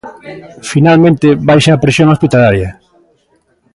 Finalmente baixa a presión hospitalaria.